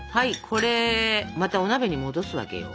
これまたお鍋に戻すわけよ。